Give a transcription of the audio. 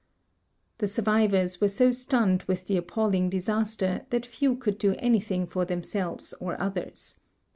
The survivors were so stunned with the appalling disaster that few could do anything for themselves or others.